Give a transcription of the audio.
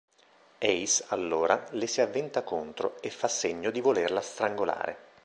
Ace, allora, le si avventa contro e fa segno di volerla strangolare.